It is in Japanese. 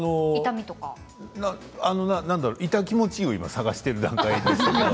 今、痛気持ちいいを探している段階です。